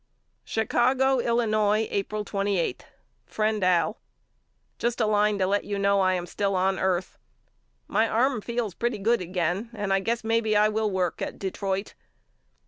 Chicago, Illinois, April 2$. FRIEND AL: Just a line to let you know I am still on earth. My arm feels pretty good again and I guess maybe I will work at Detroit.